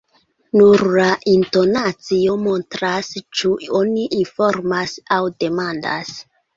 Nur la intonacio montras, ĉu oni informas aŭ demandas.